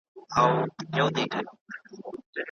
د مسافر مرسته وکړئ.